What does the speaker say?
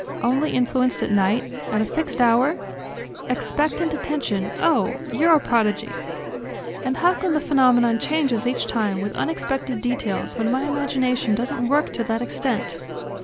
"Only influenced at night? At a fixed hour?" "Expectant attention, oh! You're a prodigy." "And how come the phenomenon changes each time, with unexpected details, when my imagination doesn't work to that extent?"